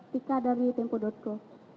tika dari tempo co